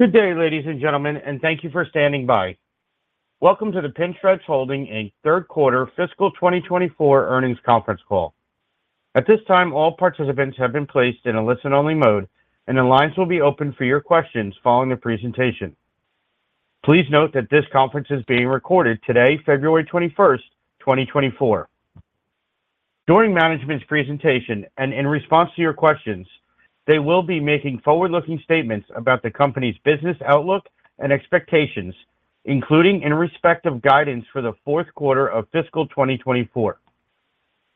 Good day, ladies and gentlemen, and thank you for standing by. Welcome to the Pinstripes Holdings Third Quarter Fiscal 2024 Earnings Conference Call. At this time, all participants have been placed in a listen-only mode, and the lines will be open for your questions following the presentation. Please note that this conference is being recorded today, February 21st, 2024. During management's presentation and in response to your questions, they will be making forward-looking statements about the company's business outlook and expectations, including in respect of guidance for the fourth quarter of fiscal 2024.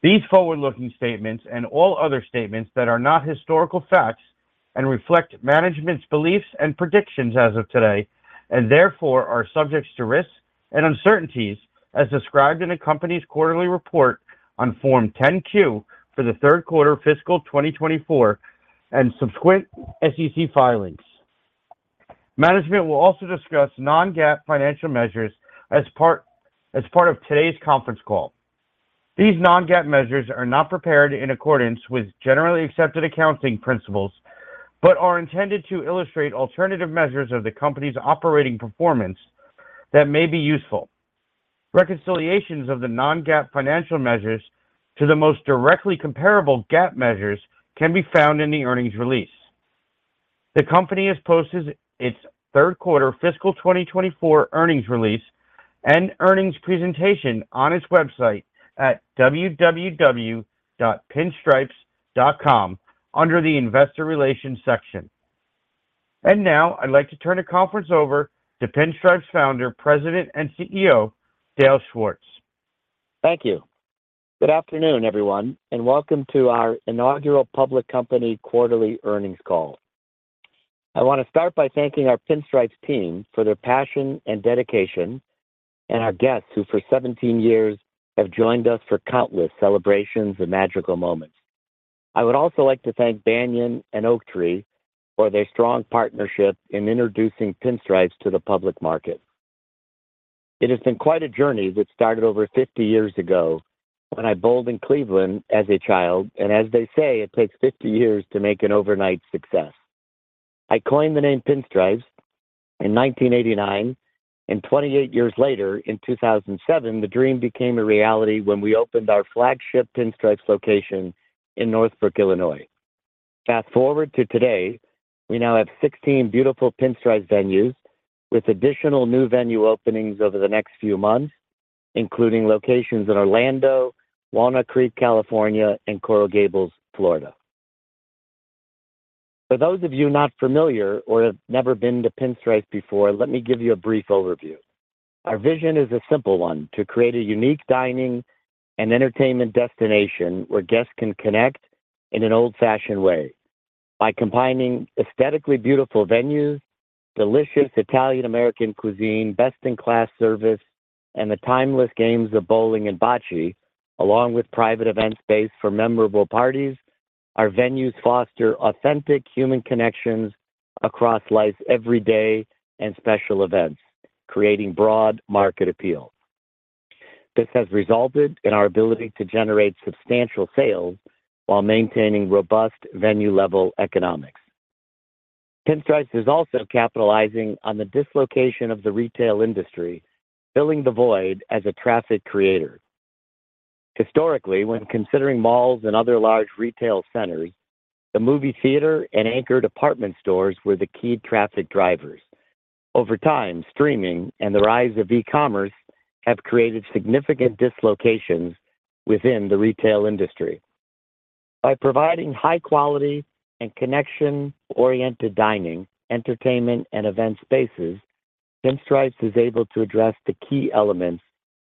These forward-looking statements and all other statements that are not historical facts and reflect management's beliefs and predictions as of today, and therefore are subject to risks and uncertainties as described in the company's quarterly report on Form 10-Q for the third quarter fiscal 2024 and subsequent SEC filings. Management will also discuss Non-GAAP financial measures as part of today's conference call. These Non-GAAP measures are not prepared in accordance with generally accepted accounting principles but are intended to illustrate alternative measures of the company's operating performance that may be useful. Reconciliations of the Non-GAAP financial measures to the most directly comparable GAAP measures can be found in the earnings release. The company posts its third quarter fiscal 2024 earnings release and earnings presentation on its website at www.pinstripes.com under the Investor Relations section. And now I'd like to turn the conference over to Pinstripes Founder, President, and CEO Dale Schwartz. Thank you. Good afternoon, everyone, and welcome to our inaugural public company quarterly earnings call. I want to start by thanking our Pinstripes team for their passion and dedication, and our guests who for 17 years have joined us for countless celebrations and magical moments. I would also like to thank Banyan and Oaktree for their strong partnership in introducing Pinstripes to the public market. It has been quite a journey that started over 50 years ago when I bowled in Cleveland as a child, and as they say, it takes 50 years to make an overnight success. I coined the name Pinstripes in 1989, and 28 years later, in 2007, the dream became a reality when we opened our flagship Pinstripes location in Northbrook, Illinois. Fast forward to today, we now have 16 beautiful Pinstripes venues with additional new venue openings over the next few months, including locations in Orlando, Walnut Creek, California, and Coral Gables, Florida. For those of you not familiar or have never been to Pinstripes before, let me give you a brief overview. Our vision is a simple one: to create a unique dining and entertainment destination where guests can connect in an old-fashioned way by combining aesthetically beautiful venues, delicious Italian-American cuisine, best-in-class service, and the timeless games of bowling and bocce, along with private event space for memorable parties. Our venues foster authentic human connections across life's everyday and special events, creating broad market appeal. This has resulted in our ability to generate substantial sales while maintaining robust venue-level economics. Pinstripes is also capitalizing on the dislocation of the retail industry, filling the void as a traffic creator. Historically, when considering malls and other large retail centers, the movie theater and anchor department stores were the key traffic drivers. Over time, streaming and the rise of e-commerce have created significant dislocations within the retail industry. By providing high-quality and connection-oriented dining, entertainment, and event spaces, Pinstripes is able to address the key elements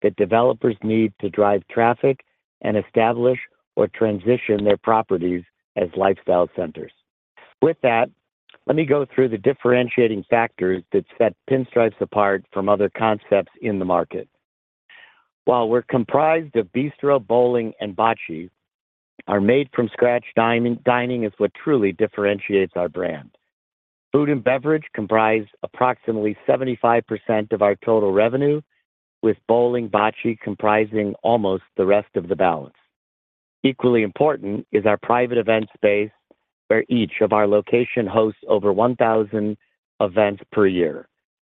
that developers need to drive traffic and establish or transition their properties as lifestyle centers. With that, let me go through the differentiating factors that set Pinstripes apart from other concepts in the market. While we're comprised of bistro, bowling, and bocce, our made-from-scratch dining is what truly differentiates our brand. Food and beverage comprise approximately 75% of our total revenue, with bowling and bocce comprising almost the rest of the balance. Equally important is our private event space, where each of our locations hosts over 1,000 events per year.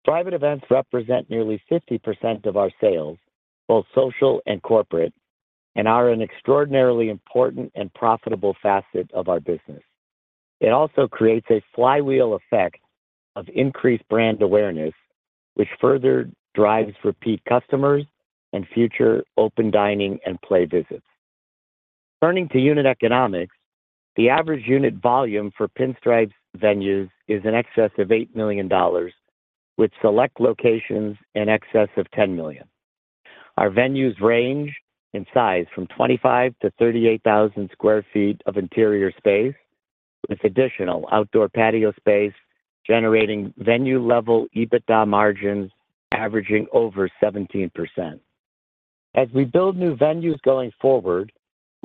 Private events represent nearly 50% of our sales, both social and corporate, and are an extraordinarily important and profitable facet of our business. It also creates a flywheel effect of increased brand awareness, which further drives repeat customers and future open dining and play visits. Turning to unit economics, the average unit volume for Pinstripes venues is in excess of $8 million, with select locations in excess of $10 million. Our venues range in size from 25,000-38,000 sq ft of interior space, with additional outdoor patio space generating venue-level EBITDA margins averaging over 17%. As we build new venues going forward,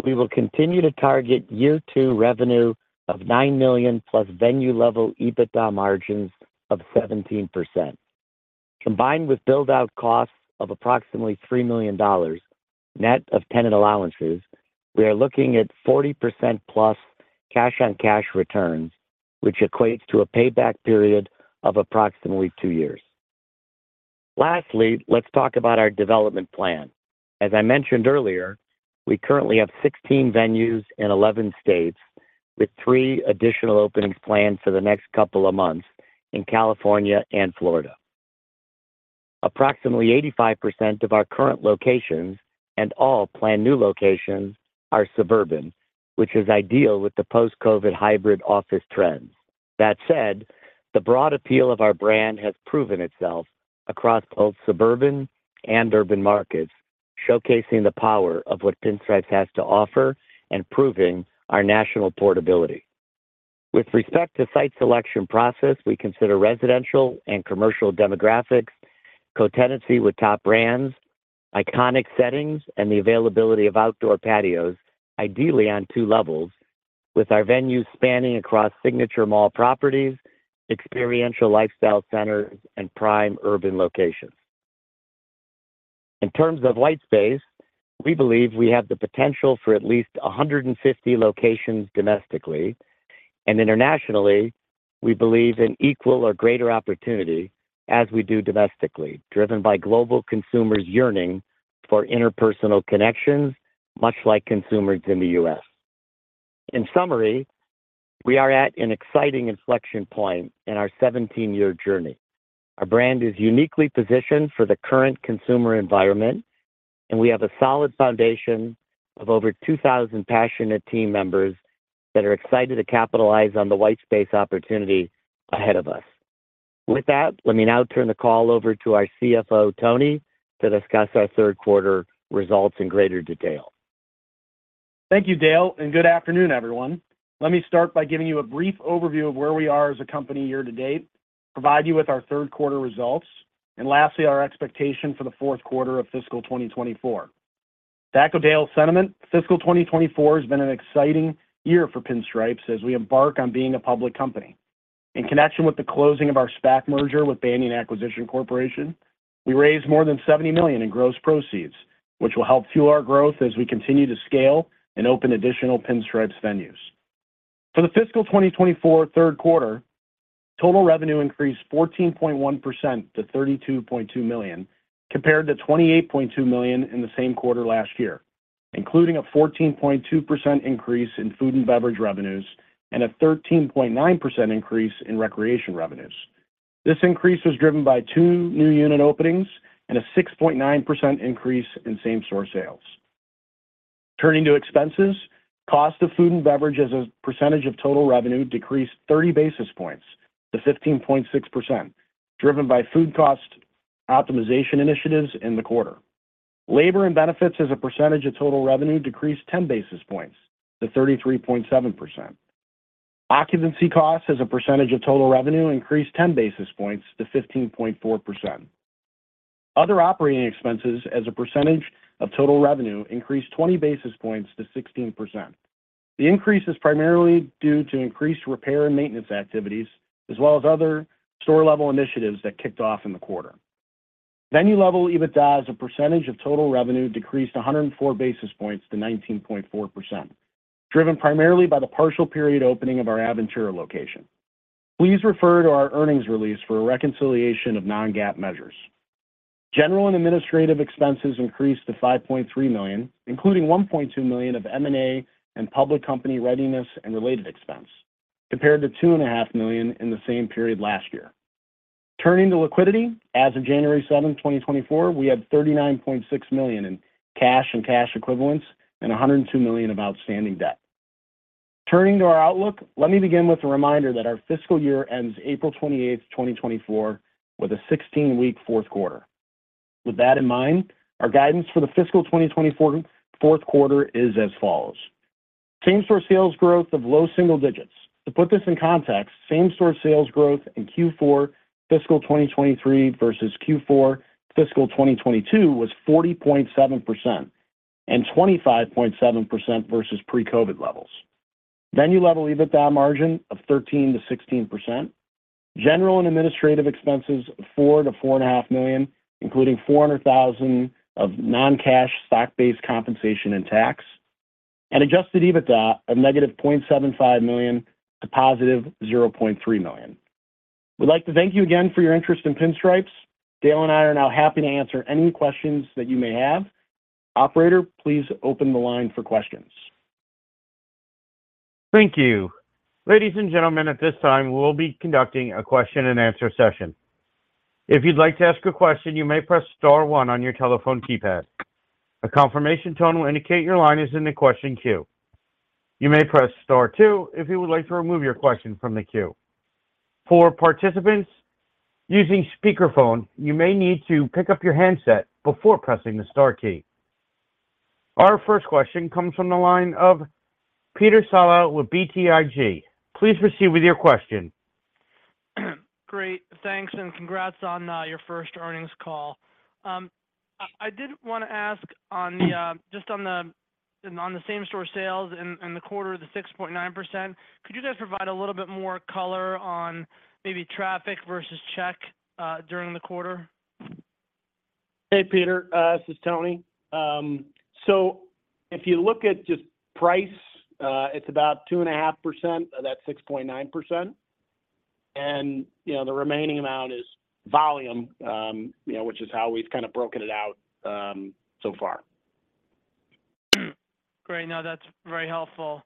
we will continue to target Year 2 revenue of $9 million+ venue-level EBITDA margins of 17%. Combined with build-out costs of approximately $3 million, net of tenant allowances, we are looking at 40%+ cash-on-cash returns, which equates to a payback period of approximately two years. Lastly, let's talk about our development plan. As I mentioned earlier, we currently have 16 venues in 11 states, with three additional openings planned for the next couple of months in California and Florida. Approximately 85% of our current locations and all planned new locations are suburban, which is ideal with the post-COVID hybrid office trends. That said, the broad appeal of our brand has proven itself across both suburban and urban markets, showcasing the power of what Pinstripes has to offer and proving our national portability. With respect to site selection process, we consider residential and commercial demographics, co-tenancy with top brands, iconic settings, and the availability of outdoor patios, ideally on two levels, with our venues spanning across signature mall properties, experiential lifestyle centers, and prime urban locations. In terms of white space, we believe we have the potential for at least 150 locations domestically, and internationally, we believe in equal or greater opportunity as we do domestically, driven by global consumers yearning for interpersonal connections, much like consumers in the U.S. In summary, we are at an exciting inflection point in our 17-year journey. Our brand is uniquely positioned for the current consumer environment, and we have a solid foundation of over 2,000 passionate team members that are excited to capitalize on the white space opportunity ahead of us. With that, let me now turn the call over to our CFO, Tony, to discuss our third quarter results in greater detail. Thank you, Dale, and good afternoon, everyone. Let me start by giving you a brief overview of where we are as a company year to date, provide you with our third quarter results, and lastly, our expectation for the fourth quarter of fiscal 2024. Back to Dale's sentiment, fiscal 2024 has been an exciting year for Pinstripes as we embark on being a public company. In connection with the closing of our SPAC merger with Banyan Acquisition Corporation, we raised more than $70 million in gross proceeds, which will help fuel our growth as we continue to scale and open additional Pinstripes venues. For the fiscal 2024 third quarter, total revenue increased 14.1% to $32.2 million, compared to $28.2 million in the same quarter last year, including a 14.2% increase in food and beverage revenues and a 13.9% increase in recreation revenues. This increase was driven by two new unit openings and a 6.9% increase in same-store sales. Turning to expenses, cost of food and beverage as a percentage of total revenue decreased 30 basis points to 15.6%, driven by food cost optimization initiatives in the quarter. Labor and benefits as a percentage of total revenue decreased 10 basis points to 33.7%. Occupancy costs as a percentage of total revenue increased 10 basis points to 15.4%. Other operating expenses as a percentage of total revenue increased 20 basis points to 16%. The increase is primarily due to increased repair and maintenance activities, as well as other store-level initiatives that kicked off in the quarter. Venue-Level EBITDA as a percentage of total revenue decreased 104 basis points to 19.4%, driven primarily by the partial period opening of our Aventura location. Please refer to our earnings release for a reconciliation of Non-GAAP measures. General and administrative expenses increased to $5.3 million, including $1.2 million of M&A and public company readiness and related expense, compared to $2.5 million in the same period last year. Turning to liquidity, as of January 7th, 2024, we had $39.6 million in cash and cash equivalents and $102 million of outstanding debt. Turning to our outlook, let me begin with a reminder that our fiscal year ends April 28th, 2024, with a 16-week fourth quarter. With that in mind, our guidance for the fiscal 2024 fourth quarter is as follows: same-store sales growth of low single digits. To put this in context, same-store sales growth in Q4 fiscal 2023 versus Q4 fiscal 2022 was 40.7%, and 25.7% versus pre-COVID levels. Venue-level EBITDA margin of 13%-16%. General and administrative expenses of $4 million-$4.5 million, including $400,000 of non-cash stock-based compensation and tax. Adjusted EBITDA of -$0.75 million-$0.3 million. We'd like to thank you again for your interest in Pinstripes. Dale and I are now happy to answer any questions that you may have. Operator, please open the line for questions. Thank you. Ladies and gentlemen, at this time, we will be conducting a question-and-answer session. If you'd like to ask a question, you may press star one on your telephone keypad. A confirmation tone will indicate your line is in the question queue. You may press star two if you would like to remove your question from the queue. For participants using speakerphone, you may need to pick up your handset before pressing the star key. Our first question comes from the line of Peter Saleh with BTIG. Please proceed with your question. Great. Thanks and congrats on your first earnings call. I did want to ask just on the same-store sales in the quarter, the 6.9%, could you guys provide a little bit more color on maybe traffic versus check during the quarter? Hey, Peter. This is Tony. So if you look at just price, it's about 2.5% of that 6.9%, and the remaining amount is volume, which is how we've kind of broken it out so far. Great. No, that's very helpful.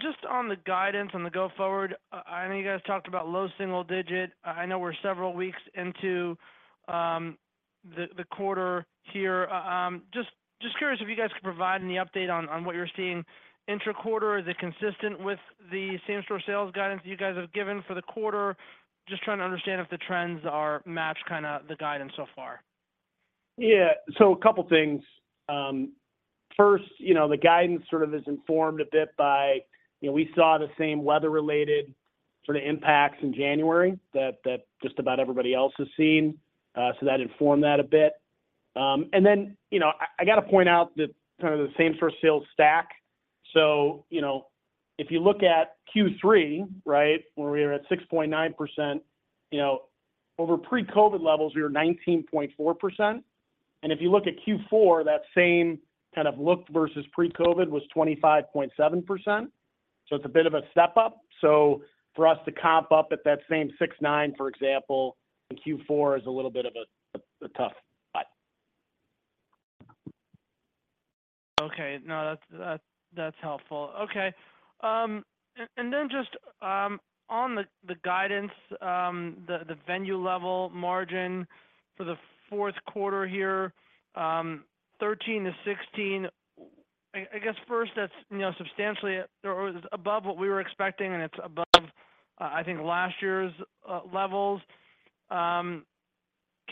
Just on the guidance on the go-forward, I know you guys talked about low single digit. I know we're several weeks into the quarter here. Just curious if you guys could provide any update on what you're seeing intra-quarter. Is it consistent with the same-store sales guidance that you guys have given for the quarter? Just trying to understand if the trends match kind of the guidance so far? Yeah. So a couple of things. First, the guidance sort of is informed a bit by we saw the same weather-related sort of impacts in January that just about everybody else has seen, so that informed that a bit. And then I got to point out that kind of the same-store sales stack. So if you look at Q3, right, where we were at 6.9%, over pre-COVID levels, we were 19.4%. And if you look at Q4, that same kind of look versus pre-COVID was 25.7%. So it's a bit of a step up. So for us to comp up at that same 6.9%, for example, in Q4 is a little bit of a tough spot. Okay. No, that's helpful. Okay. And then just on the guidance, the venue-level margin for the fourth quarter here, 13%-16%, I guess first, that's substantially above what we were expecting, and it's above, I think, last year's levels. Can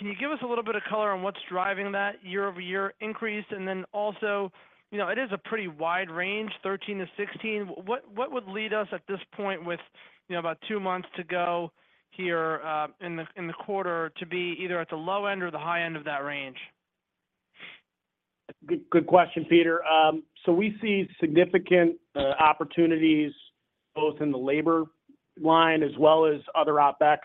you give us a little bit of color on what's driving that year-over-year increase? And then also, it is a pretty wide range, 13%-16%. What would lead us at this point with about two months to go here in the quarter to be either at the low end or the high end of that range? Good question, Peter. So we see significant opportunities both in the labor line as well as other OpEx.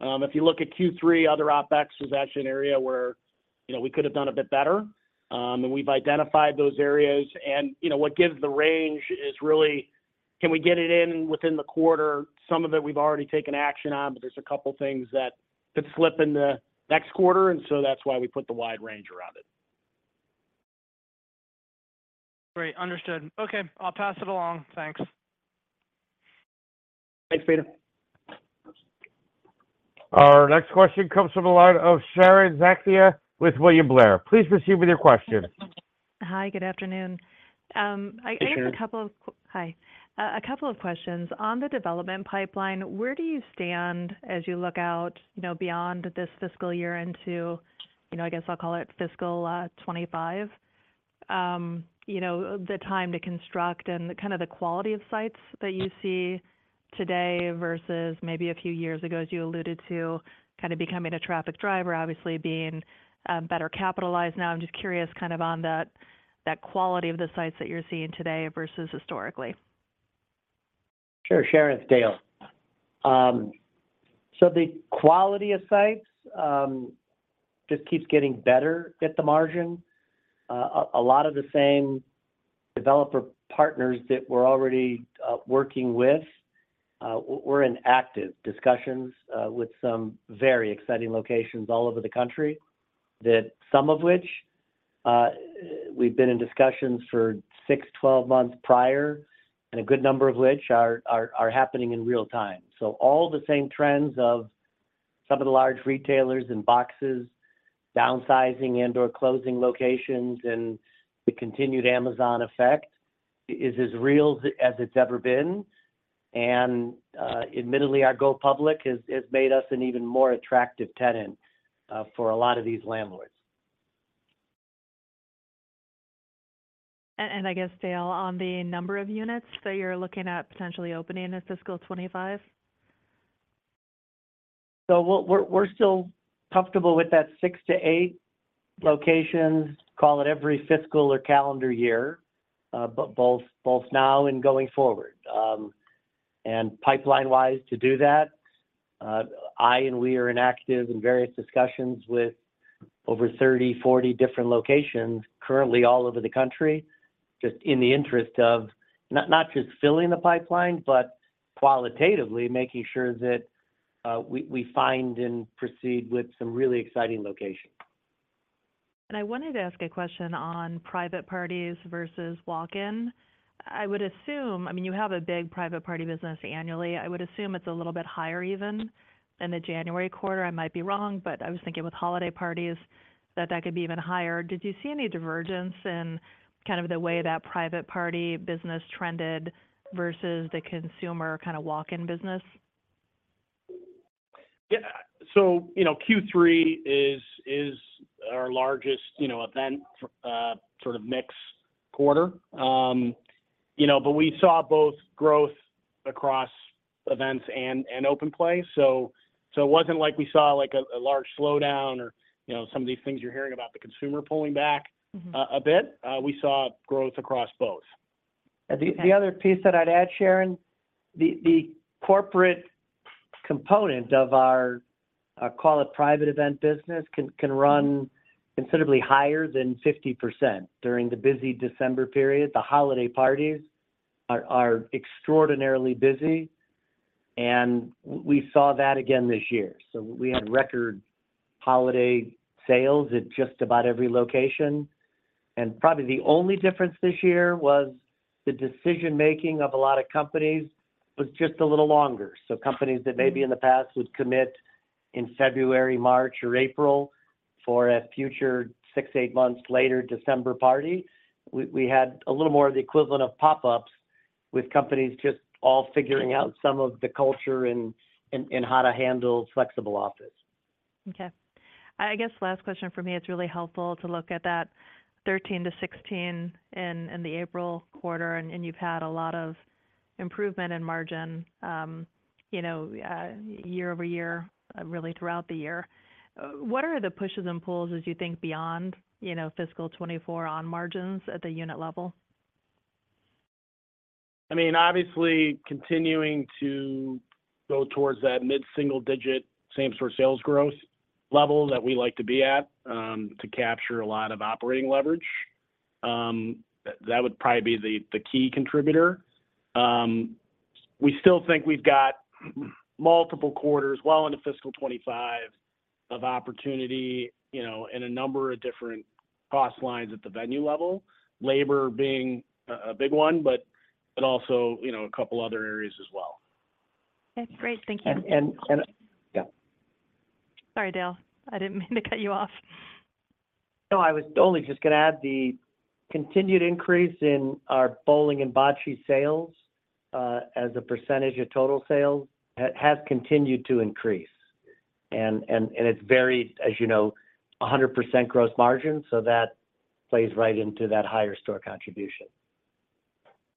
If you look at Q3, other OpEx was actually an area where we could have done a bit better, and we've identified those areas. What gives the range is really, can we get it in within the quarter? Some of it we've already taken action on, but there's a couple of things that could slip in the next quarter, and so that's why we put the wide range around it. Great. Understood. Okay. I'll pass it along. Thanks. Thanks, Peter. Our next question comes from the line of Sharon Zackfia with William Blair. Please proceed with your question. Hi. Good afternoon. I have a couple of questions. On the development pipeline, where do you stand as you look out beyond this fiscal year into, I guess I'll call it fiscal 2025? The time to construct and kind of the quality of sites that you see today versus maybe a few years ago, as you alluded to, kind of becoming a traffic driver, obviously being better capitalized now. I'm just curious kind of on that quality of the sites that you're seeing today versus historically. Sure. Sharon, it's Dale. So the quality of sites just keeps getting better at the margin. A lot of the same developer partners that we're already working with, we're in active discussions with some very exciting locations all over the country, some of which we've been in discussions for six months, 12 months prior, and a good number of which are happening in real time. So all the same trends of some of the large retailers and boxes downsizing and/or closing locations and the continued Amazon effect is as real as it's ever been. And admittedly, our go-public has made us an even more attractive tenant for a lot of these landlords. I guess, Dale, on the number of units that you're looking at potentially opening in fiscal 2025? So we're still comfortable with that six to eight locations, call it every fiscal or calendar year, both now and going forward. And pipeline-wise, to do that, I and we are in active and various discussions with over 30 different locations-40 different locations currently all over the country just in the interest of not just filling the pipeline, but qualitatively making sure that we find and proceed with some really exciting locations. I wanted to ask a question on private parties versus walk-in. I mean, you have a big private party business annually. I would assume it's a little bit higher even in the January quarter. I might be wrong, but I was thinking with holiday parties that that could be even higher. Did you see any divergence in kind of the way that private party business trended versus the consumer kind of walk-in business? Yeah. So Q3 is our largest event sort of mix quarter. But we saw both growth across events and open play. So it wasn't like we saw a large slowdown or some of these things you're hearing about, the consumer pulling back a bit. We saw growth across both. The other piece that I'd add, Sharon, the corporate component of our, call it, private event business can run considerably higher than 50% during the busy December period. The holiday parties are extraordinarily busy, and we saw that again this year. We had record holiday sales at just about every location. Probably the only difference this year was the decision-making of a lot of companies was just a little longer. Companies that maybe in the past would commit in February, March, or April for a future six, eight months later December party, we had a little more of the equivalent of pop-ups with companies just all figuring out some of the culture and how to handle flexible office. Okay. I guess last question for me. It's really helpful to look at that 13-16 in the April quarter, and you've had a lot of improvement in margin year-over-year, really throughout the year. What are the pushes and pulls, as you think, beyond fiscal 2024 on margins at the unit level? I mean, obviously, continuing to go towards that mid-single digit same-store sales growth level that we like to be at to capture a lot of operating leverage. That would probably be the key contributor. We still think we've got multiple quarters, well into fiscal 2025, of opportunity in a number of different cost lines at the venue level, labor being a big one, but also a couple of other areas as well. That's great. Thank you. And yeah. Sorry, Dale. I didn't mean to cut you off. No, I was only just going to add the continued increase in our bowling and bocce sales as a percentage of total sales has continued to increase. And it's very, as you know, 100% gross margin, so that plays right into that higher store contribution.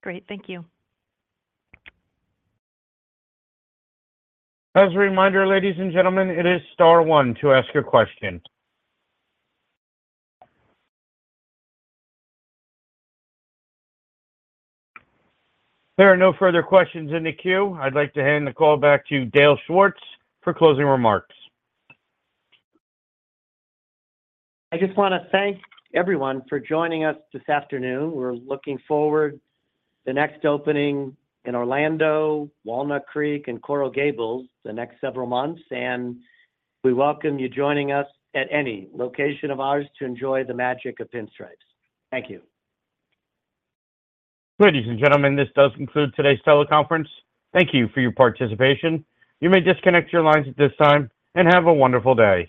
Great. Thank you. As a reminder, ladies and gentlemen, it is star one to ask your question. There are no further questions in the queue. I'd like to hand the call back to Dale Schwartz for closing remarks. I just want to thank everyone for joining us this afternoon. We're looking forward to the next opening in Orlando, Walnut Creek, and Coral Gables the next several months. And we welcome you joining us at any location of ours to enjoy the magic of Pinstripes. Thank you. Ladies and gentlemen, this does conclude today's teleconference. Thank you for your participation. You may disconnect your lines at this time and have a wonderful day.